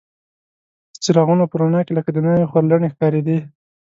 د څراغونو په رڼا کې لکه د ناوې خورلڼې ښکارېدې.